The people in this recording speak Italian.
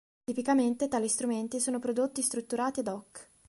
Tipicamente tali strumenti sono prodotti strutturati "ad hoc".